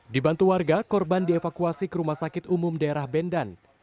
dibantu warga korban dievakuasi ke rumah sakit umum daerah bendan